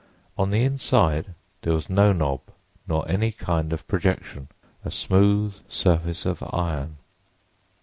On the inside there was no knob, nor any kind of projection—a smooth surface of iron.